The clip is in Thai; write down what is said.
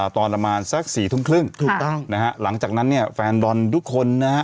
ตอนประมาณสัก๔ทุ่มครึ่งถูกต้องนะฮะหลังจากนั้นเนี่ยแฟนบอลทุกคนนะฮะ